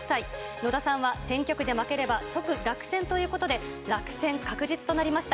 野田さんは選挙区で負ければ即落選ということで、落選確実となりました。